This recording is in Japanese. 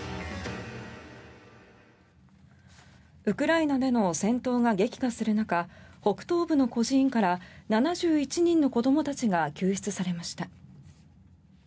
ウクライナでの戦闘が激化する中北東部の孤児院から７１人の子どもたちが救出されました。